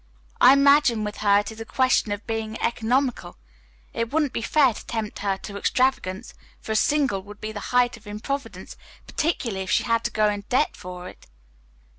"I imagine with her it is a question of being economical. It wouldn't be fair to tempt her to extravagance, for a single would be the height of improvidence, particularly if she had to go in debt for it."